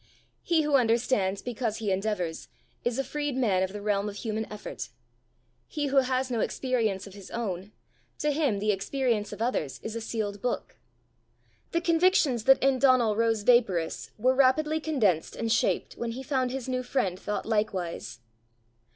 He who understands because he endeavours, is a freed man of the realm of human effort. He who has no experience of his own, to him the experience of others is a sealed book. The convictions that in Donal rose vaporous were rapidly condensed and shaped when he found his new friend thought likewise.